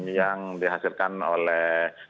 yang dihasilkan oleh